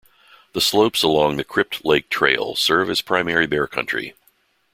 The slopes along the Crypt Lake Trail serve as primary bear country.